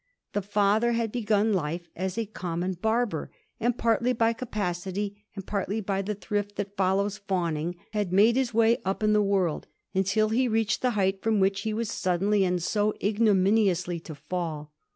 The father had begun life as a common barber, and partly by capacity and partly by the thrift that follows fawnmg had made his way up in the world, until he reached the height from which he was suddenly and so igno miniously to fall.